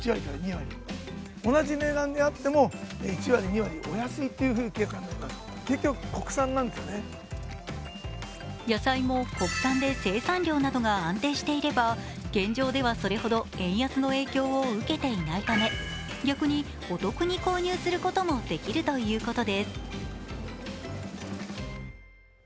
また、野菜では野菜も国産で生産量などが安定していれば現状ではそれほど円安の影響を受けていないため、逆にお得に購入することもできるということです。